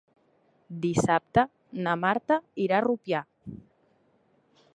Dissabte na Marta irà a Rupià.